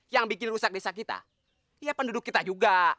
yang bikin rusak desa kita ya penduduk kita juga